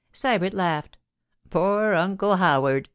Sybert laughed. 'Poor Uncle Howard!